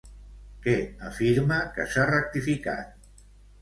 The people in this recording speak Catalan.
Què afirma que s'ha rectificat?